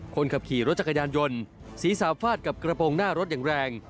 คนขับขี่รถจักรยานยนต์ศีรษะฟาดกับกระโปรงหน้ารถอย่างแรง